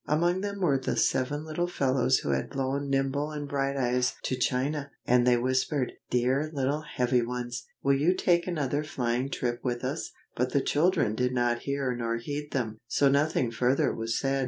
Among them were the seven little fellows who had blown Nibble and Brighteyes to China, and they whispered, "Dear little Heavy Ones; will you take another flying trip with us?" but the children did not hear nor heed them, so nothing further was said.